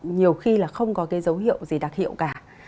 nhiều khi là không có cái dấu hiệu gì đặc hiệu cả